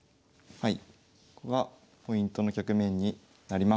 はい。